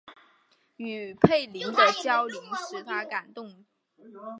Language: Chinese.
与斐琳的交流使他感动痛哭。